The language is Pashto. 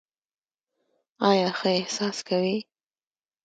آیا ښه احساس کوې؟